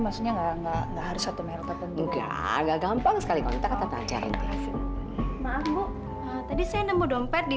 maksudnya enggak harus satu merah tetapi enggak gampang sekali maaf bu tadi saya nemu dompet di